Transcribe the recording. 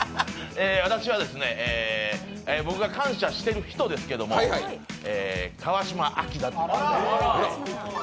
僕が感謝してる人ですけど、川島明ということで。